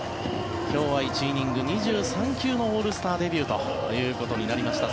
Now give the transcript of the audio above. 今日は１イニング、２３球のオールスターデビューということになりました。